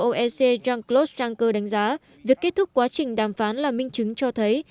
âu eu jean claude juncker đánh giá việc kết thúc quá trình đàm phán là minh chứng cho thấy